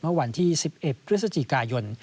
เมื่อวันที่๑๑พฤศจิกายน